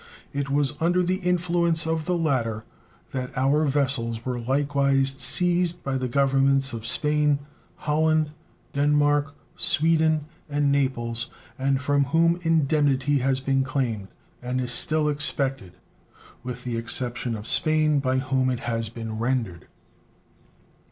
It was under the influence of the latter that our vessels were likewise seized by the Governments of Spain, Holland, Denmark, Sweden, and Naples, and from whom indemnity has been claimed and is still expected, with the exception of Spain, by whom it has been rendered.